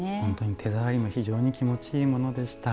手触りも非常に気持ちいいものでした。